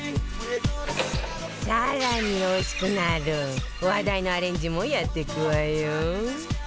更においしくなる話題のアレンジもやっていくわよ